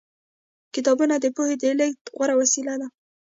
کتابونه د پوهې د لېږد غوره وسیله ده.